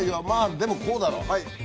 まぁでもこうだろはい。